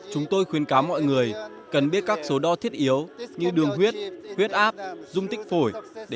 chúng tôi khuyến cáo mọi người cần biết các số đo thiết yếu như đường huyết huyết áp dung tích phổi